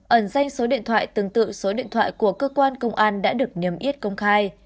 ẩn danh số điện thoại tương tự số điện thoại của cơ quan công an đã được niềm yết công khai